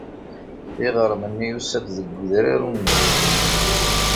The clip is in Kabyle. Iɣrem-nni yusa-d deg udrar unnig.